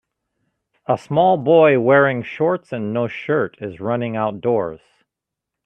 A small boy wearing shorts and no shirt is running outdoors